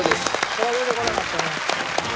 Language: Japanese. これは出てこなかったね。